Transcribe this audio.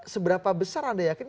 seberapa besar anda yakin